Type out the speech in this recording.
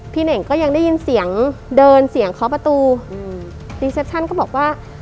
เน่งก็ยังได้ยินเสียงเดินเสียงเคาะประตูอืมรีเซปชั่นก็บอกว่า